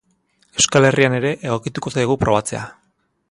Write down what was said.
Euskal Herrian ere egokituko zaigu probatzea.